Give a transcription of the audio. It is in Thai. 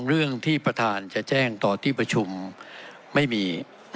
เรื่องที่ประธานจะแจ้งต่อที่ประชุมไม่มี